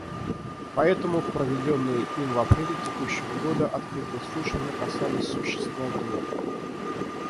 Поэтому проведенные им в апреле текущего года открытые слушания касались существа дела.